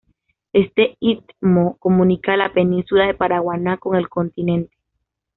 Este istmo comunica a la península de Paraguaná con el continente.